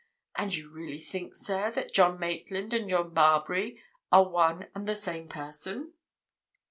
And you really think, sir, that John Maitland and John Marbury are one and the same person?"